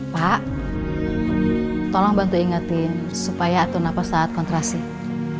pak tolong bantu ingatin supaya atur nafas saat kontrasenya